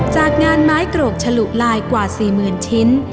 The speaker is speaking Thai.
จากงานไม้กรกฉลุลายกว่า๔๐๐๐ชิ้น